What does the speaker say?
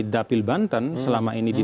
dapil banten selama ini di